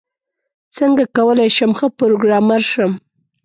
څنګه کولاي شم ښه پروګرامر شم؟